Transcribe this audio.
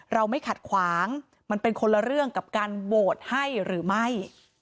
ไม่ขัดขวางมันเป็นคนละเรื่องกับการโหวตให้หรือไม่